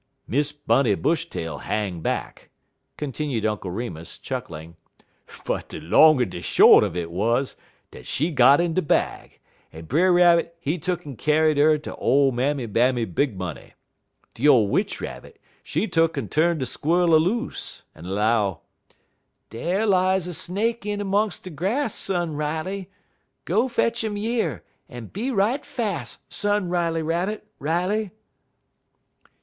"Miss Bunny Bushtail hang back," continued Uncle Remus, chuckling; "but de long en de short un it wuz dat she got in de bag, en Brer Rabbit he tuck'n kyar'd 'er ter ole Mammy Bammy Big Money. De ole Witch Rabbit, she tuck'n tu'n de squer'l a loose, en 'low: "'Dar lies a snake in 'mungs' de grass, Son Riley; go fetch 'im yer, en be right fas', Son Riley Rabbit, Riley.'